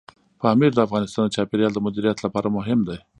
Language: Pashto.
پامیر د افغانستان د چاپیریال د مدیریت لپاره مهم دی.